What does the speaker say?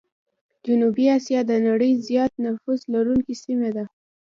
جنوبي آسيا د نړۍ زيات نفوس لرونکي سيمه ده.